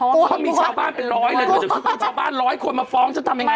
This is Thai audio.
เขามีชาวบ้านเป็นร้อยเลยชาวบ้านร้อยคนมาฟ้องฉันทำยังไง